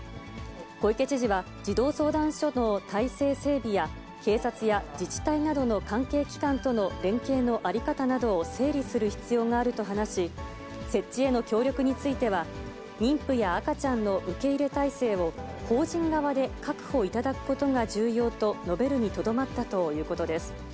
小池知事は、児童相談所の体制整備や、警察や自治体などの関係機関との連携の在り方などを整理する必要があると話し、設置への協力については、妊婦や赤ちゃんの受け入れ体制を法人側で確保いただくことが重要と述べるにとどまったということです。